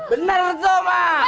benar so mak